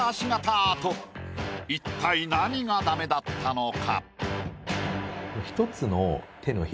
アート一体何がダメだったのか？